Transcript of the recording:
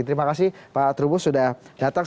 terima kasih pak trubus sudah datang